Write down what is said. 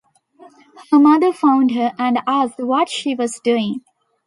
Her mother found her and asked what she was doing.